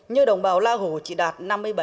như đồng bào la hồ chỉ đạt năm mươi bảy năm